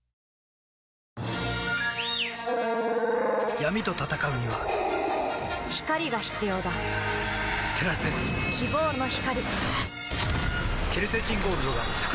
闇と闘うには光が必要だ照らせ希望の光